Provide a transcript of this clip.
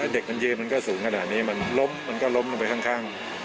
เด็กมันยืนมันก็สูงขนาดนี้มันล้มมันก็ล้มลงไปข้าง